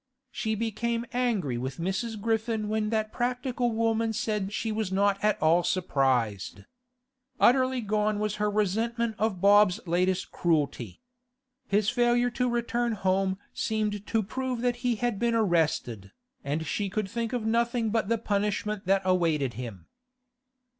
She became angry with Mrs. Griffin when that practical woman said she was not at all surprised. Utterly gone was her resentment of Bob's latest cruelty. His failure to return home seemed to prove that he had been arrested, and she could think of nothing but the punishment that awaited him.